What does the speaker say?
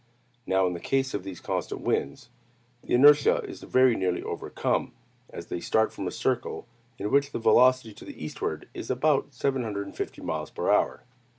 Now, in the case of these constant winds, the inertia is very nearly overcome, as they start from a circle in which the velocity to the eastward is about 750 miles per hour.